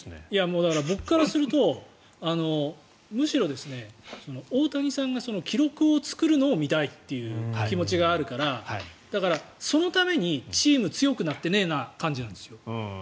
もう僕からするとむしろ、大谷さんが記録を作るのを見たいという気持ちがあるからだから、そのためにチームが強くなってねって感じなんです。